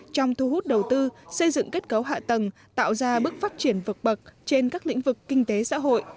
trong thu hút đầu tư xây dựng kết cấu hạ tầng tạo ra bước phát triển vượt bậc trên các lĩnh vực kinh tế xã hội